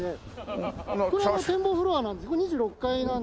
これあの展望フロアなんです。